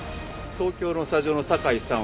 東京のスタジオの坂井さん。